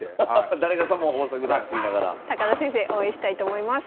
田先生応援したいと思います。